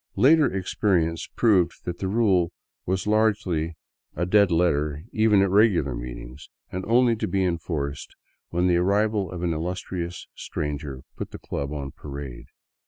Later experience proved that the rule was largely a dead letter even at regular meetings, and only to be enforced when the arrival of an illustrious stranger put the club on parade.